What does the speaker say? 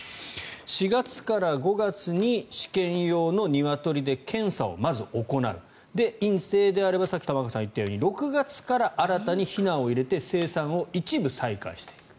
４月から５月に試験用のニワトリで検査をまず行う陰性であればさっき玉川さんが言ったように６月から新たにひなを入れて生産を一部再開すると。